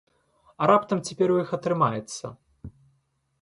А раптам цяпер у іх атрымаецца?